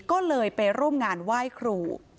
ก็เลยไปร่วมงานไหว้ครู